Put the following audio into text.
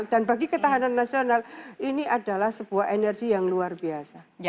dan bagi ketahanan nasional ini adalah sebuah energi yang luar biasa